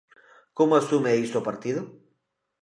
Como asume iso o partido?